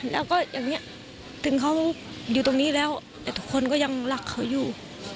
แล้วก็อย่างนี้ถึงเขาอยู่ตรงนี้แล้วแต่ทุกคนก็ยังรักเขาอยู่